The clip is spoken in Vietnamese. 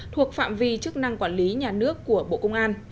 thuộc phạm vi chức năng quản lý nhà nước của bộ công an